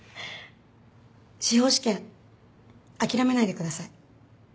司法試験諦めないでください。